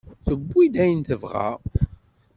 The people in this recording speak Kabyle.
Tewwi-d ayen tebɣa.